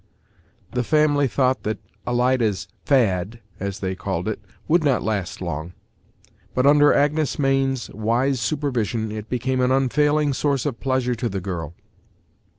The family thought that "Alida's fad," as they called it, would not last long; but under Agnes Mayne's wise supervision it became an unfailing source of pleasure to the girl.